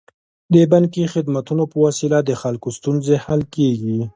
د بانکي خدمتونو په وسیله د خلکو ستونزې حل کیږي.